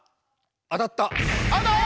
当たった。